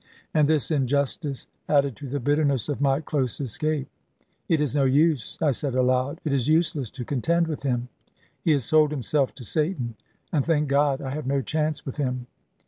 And this injustice added to the bitterness of my close escape. "It is no use," I said aloud; "it is useless to contend with him. He has sold himself to Satan, and, thank God, I have no chance with him."